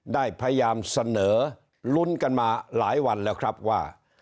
ได้พยายามเสนอลุ้นกันมาหลายวันแล้วครับว่า